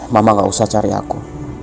mama gak usah cari aku